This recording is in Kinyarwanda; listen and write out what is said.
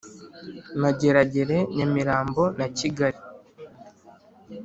Mageragere Nyamirambo na Kigali